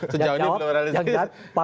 sejauh ini belum realisih